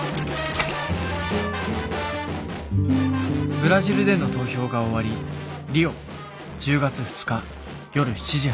ブラジルでの投票が終わりリオ１０月２日夜７時半。